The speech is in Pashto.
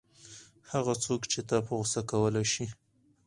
هغه څوک چې تا په غوسه کولای شي.